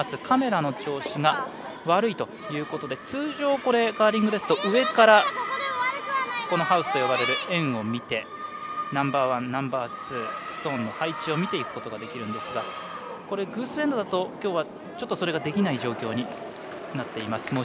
カメラの調子が悪いということで通常、カーリングですと上からハウスと呼ばれる円を見てナンバーワン、ナンバーツーのストーンの配置を見ていくことができるんですが偶数エンドだと今日はちょっとできない状況になっています。